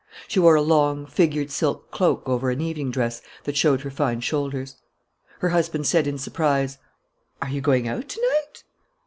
She wore a long, figured silk cloak over an evening dress that showed her fine shoulders. Her husband said, in surprise "Are you going out to night?"